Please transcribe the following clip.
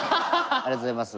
ありがとうございます。